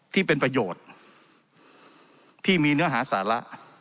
ที่เป็นประโยชน์ที่มีเนื้อหาสาระ